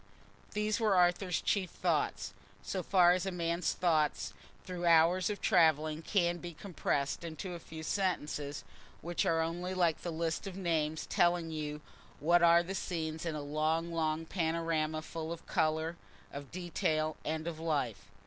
These were Arthur's chief thoughts, so far as a man's thoughts through hours of travelling can be compressed into a few sentences, which are only like the list of names telling you what are the scenes in a long long panorama full of colour, of detail, and of life.